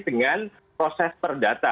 dengan proses perdata